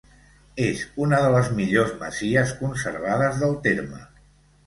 És una de les millors masies conservades del terme.